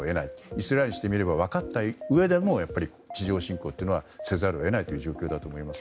イスラエルにしてみれば分かったうえでも地上侵攻というのはせざるを得ない状況だと思います。